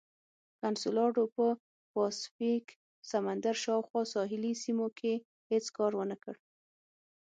کنسولاډو په پاسفیک سمندر شاوخوا ساحلي سیمو کې هېڅ کار ونه کړ.